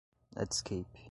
netscape